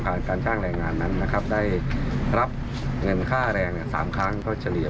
การจ้างแรงงานนั้นนะครับได้รับเงินค่าแรง๓ครั้งก็เฉลี่ย